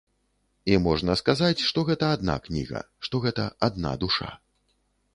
І можна сказаць, што гэта адна кніга, што гэта адна душа.